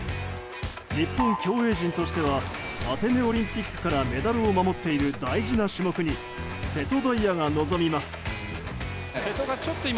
日本競泳陣としてはアテネオリンピックからメダルを守っている大事な種目に瀬戸大也が臨みます。